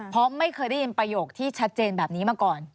เพราะไม่เคยได้ยินประโยคที่ชัดเจนแบบนี้มาก่อน